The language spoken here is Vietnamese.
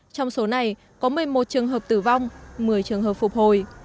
trong số này có một mươi một trường hợp tử vong một mươi trường hợp phục hồi